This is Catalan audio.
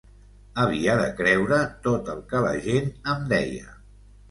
Havia de creure tot el que la gent em deia.